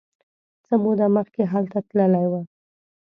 څه موده مخکې هلته تللی و.